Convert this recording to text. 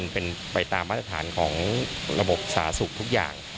เป็นไปตามมาตรฐานของระบบสาธารณสุขทุกอย่าง